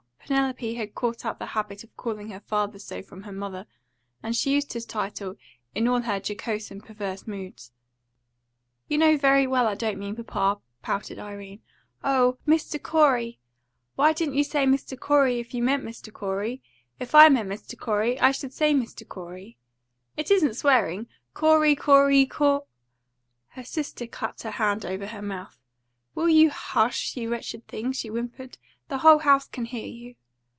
Penelope had caught up the habit of calling her father so from her mother, and she used his title in all her jocose and perverse moods. "You know very well I don't mean papa," pouted Irene. "Oh! Mr. Corey! Why didn't you say Mr. Corey if you meant Mr. Corey? If I meant Mr. Corey, I should say Mr. Corey. It isn't swearing! Corey, Corey, Co " Her sister clapped her hand over her mouth "Will you HUSH, you wretched thing?" she whimpered. "The whole house can hear you."